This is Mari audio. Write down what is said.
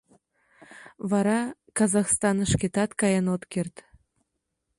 Вара Казахстанышкетат каен от керт.